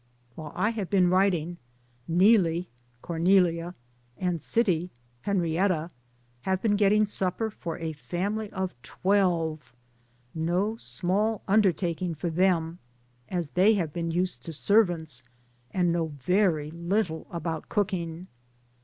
While I have been writing Neelie (Cor nelia) and Sittie (Henrietta) have been get ting supper for a family of twelve, no small undertaking for them, as they have been used to servants and know very little about cooking.